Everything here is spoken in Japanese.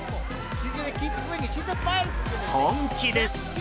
本気です。